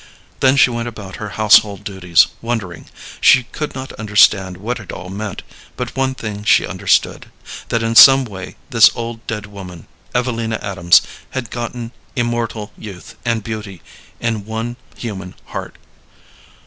Then she went about her household duties, wondering. She could not understand what it all meant; but one thing she understood that in some way this old dead woman, Evelina Adams, had gotten immortal youth and beauty in one human heart.